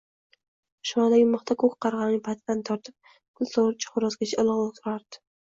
Oshxonadagi mixda ko‘k qarg‘aning patidan tortib, gultojixo‘rozgacha ilig‘lik turardi...